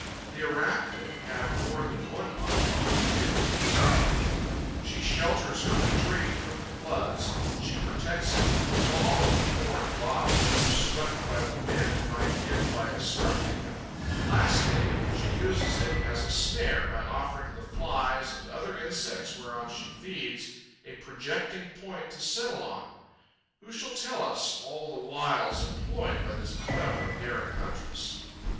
The Arachnid had more than one object in view in constructing them: she shelters her retreat from the floods; she protects it from the fall of foreign bodies which, swept by the wind, might end by obstructing it; lastly, she uses it as a snare by offering the Flies and other insects whereon she feeds a projecting point to settle on. Who shall tell us all the wiles employed by this clever and daring huntress?